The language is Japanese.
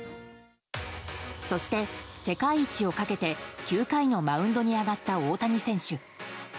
そして世界一をかけて、９回のマウンドに上がった大谷選手。